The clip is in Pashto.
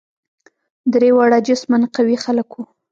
درې واړه جسما قوي خلک وه.